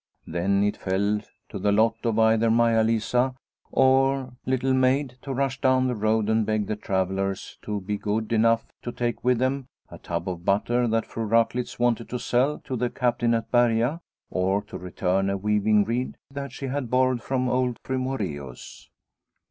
Then it fell to the lot of either Maia Lisa or Little Maid to rush down the road and beg the travellers to be good enough to take with them a tub of butter that Fru Raklitz wanted to sell to the Captain at Berga or to return a weaving reed that she had borrowed from old Fru Moreus.